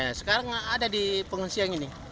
ya sekarang ada di pengungsian ini